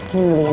ini dulu ya